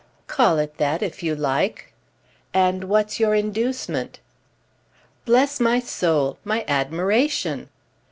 "Call it that if you like." "And what's your inducement?" "Bless my soul—my admiration!"